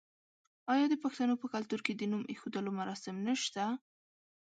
آیا د پښتنو په کلتور کې د نوم ایښودلو مراسم نشته؟